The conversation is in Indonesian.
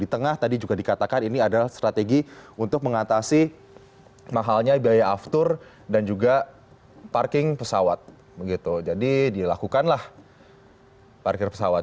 di tengah tadi juga dikatakan ini adalah strategi untuk mengatasi mahalnya biaya after dan juga parking pesawat